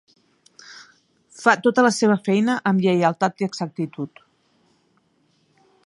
Fa tota la seva feina amb lleialtat i exactitud.